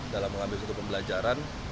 dalam mengambil suatu pembelajaran